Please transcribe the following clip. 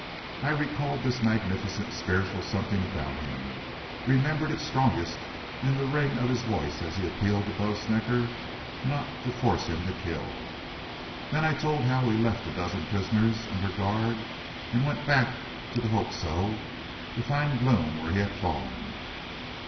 I recalled this magnificent spiritual something about him, remembered it strongest in the ring of his voice as he appealed to Bo Snecker not to force him to kill. Then I told how we left a dozen prisoners under guard and went back to the Hope So to find Blome where he had fallen.